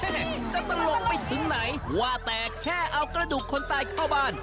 จะตลกไปถึงไหนว่าแต่แค่เอากระดูกคนตายเข้าบ้าน